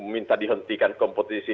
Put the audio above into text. minta dihentikan kompetisi